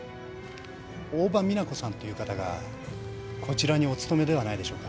大庭実那子さんという方がこちらにお勤めではないでしょうか？